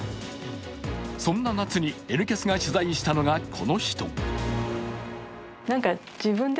そんな夏に「Ｎキャス」が取材したのがこの人。